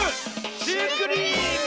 「シュークリーム」！